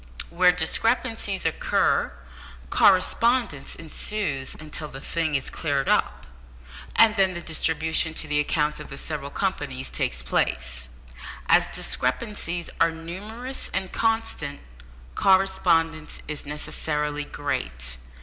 Where discrepancies occur, correspondence ensues until the thing is cleared up, and then the distribution to the accounts of the several companies takes place. As discrepancies are numerous and constant, correspondence is necessarily great.